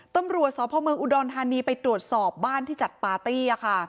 ตำรวจสพอุดรทานีไปตรวจสอบบ้านที่จัดปาร์ตี้